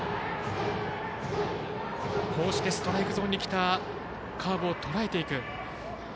こうしてストライクゾーンに来たカーブをとらえていく。